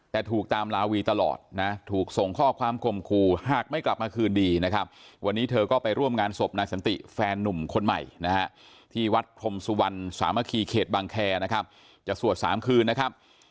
แต่ถูกตามลาวีตลอดนะถูกส่งข้อความคมคู่หากไม่กลับมาคืนดีนะครับวันนี้เธอก็ไปร่วมงานศพนายสันติแฟนนุ่มคนใหม่นะฮะที่วัดพรมสุวรรณสามัคคีเขตบางแคร์นะครับจะสวด๓คืนนะครับ